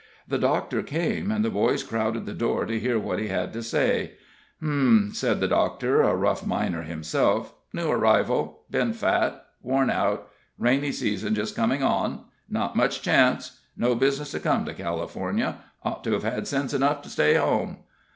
The doctor came, and the boys crowded the door to hear what he had to say. "Hum!" said the doctor, a rough miner himself, "new arrival been fat worn out rainy season just coming on not much chance. No business to come to California ought to have had sense enough to stay home."